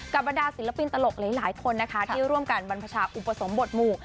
บรรดาศิลปินตลกหลายคนนะคะที่ร่วมกันบรรพชาอุปสมบทหมู่